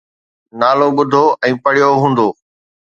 نالو ٻڌو ۽ پڙهيو هوندو